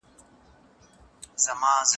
نو پوه یې.